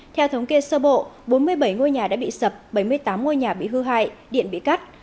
theo thống kê sơ bộ bốn mươi bảy ngôi nhà đã bị sập bảy mươi tám ngôi nhà bị hư hại điện bị cắt